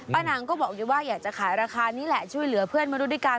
นางก็บอกอยู่ว่าอยากจะขายราคานี้แหละช่วยเหลือเพื่อนมนุษย์ด้วยกัน